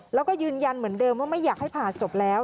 แล้วก็ยืนยันเหมือนเดิมว่าไม่อยากให้ผ่าศพแล้ว